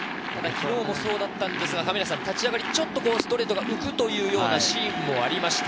昨日もそうだったんですが立ち上がり、ちょっとストレートが浮くシーンもありました。